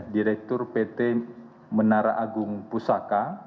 direktur pt menara agung pusaka